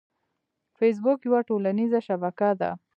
فېسبوک یوه ټولنیزه شبکه ده